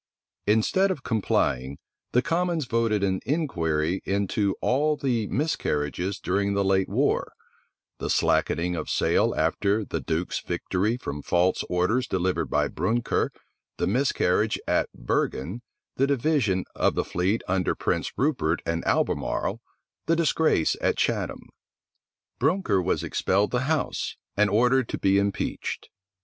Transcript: Instead of complying, the commons voted an inquiry into all the miscarriages during the late war; the slackening of sail after the duke's victory from false orders delivered by Brounker the miscarriage at Bergen, the division of the fleet under Prince Rupert and Albemarle, the disgrace at Chatham. Brounker was expelled the house, and ordered to be impeached.